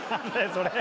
それ。